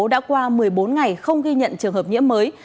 đã qua một mươi bốn ngày không ghi nhận trường hợp nhiễm mới